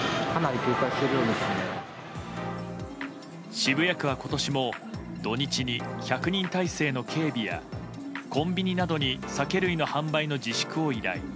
渋谷区は今年も土日に１００人態勢の警備やコンビニなどに酒類の販売の自粛を依頼。